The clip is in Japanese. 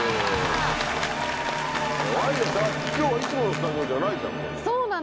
きょうはいつものスタジオじゃないじゃん。